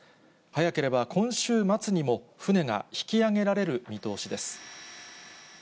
早ければ今週末にも、船が引き揚げられる見通しです。